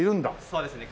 そうですね。